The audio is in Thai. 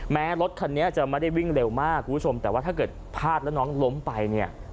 รถคันนี้จะไม่ได้วิ่งเร็วมากคุณผู้ชมแต่ว่าถ้าเกิดพลาดแล้วน้องล้มไปเนี่ย